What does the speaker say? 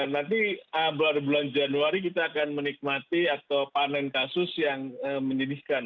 nanti bulan januari kita akan menikmati atau panen kasus yang menyedihkan